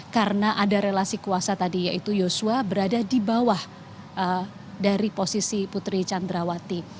karena ada relasi kuasa tadi yaitu yusuf berada di bawah dari posisi putri chandrawati